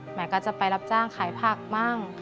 ไหมก็จะไปรับจ้างขายผักบ้าง